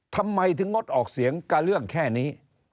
ทำไมถึงงดออกเสียงกับเรื่องแค่นี้